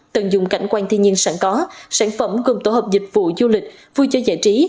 tận dụng cảnh quan thiên nhiên sẵn có sản phẩm gồm tổ hợp dịch vụ du lịch vui chơi giải trí